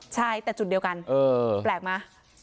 ใช่แต่จุดเดียวกันแปลกไหม